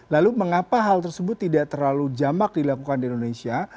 lalu mengapa hal tersebut tidak terlalu jamak dilakukan di indonesia